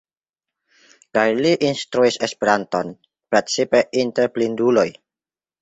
Kaj li instruis Esperanton, precipe inter blinduloj.